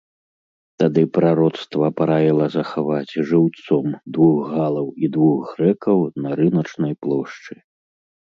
Тады прароцтва параіла захаваць жыўцом двух галаў і двух грэкаў на рыначнай плошчы.